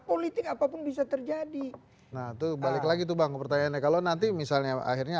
politik apapun bisa terjadi nah tuh balik lagi tuh bang pertanyaannya kalau nanti misalnya akhirnya